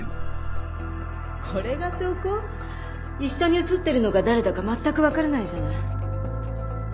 一緒に写ってるのが誰だかまったく分からないじゃない？